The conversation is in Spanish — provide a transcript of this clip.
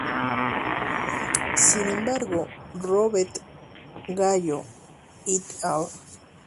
Sin embargo, Robert Gallo "et al.